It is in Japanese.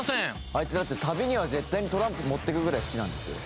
あいつだって旅には絶対にトランプ持ってくぐらい好きなんですよ。